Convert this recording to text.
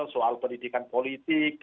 soal pendidikan politik